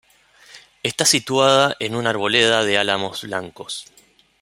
Está situada en una arboleda de álamos blancos.